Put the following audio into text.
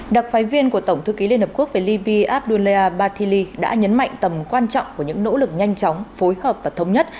đặc phái viên của tổng thư ký liên hợp quốc về libya abdullea bathili đã nhấn mạnh tầm quan trọng của những nỗ lực nhanh chóng phối hợp và thống nhất